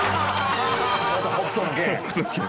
『北斗の拳』